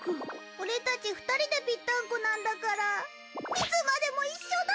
俺たち２人でぴったんこなんだからいつまでも一緒だ！